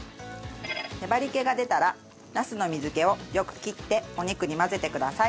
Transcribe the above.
粘り気が出たらナスの水気をよく切ってお肉に混ぜてください。